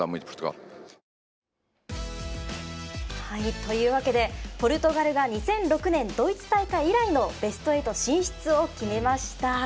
というわけでポルトガルが２００６年ドイツ大会以来のベスト８進出を決めました。